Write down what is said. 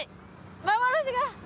幻が。